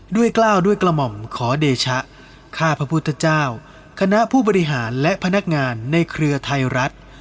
กล้าวด้วยกระหม่อมขอเดชะข้าพระพุทธเจ้าคณะผู้บริหารและพนักงานในเครือไทยรัฐ